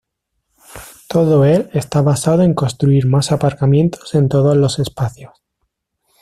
todo él está basado en construir más aparcamientos en todos los espacios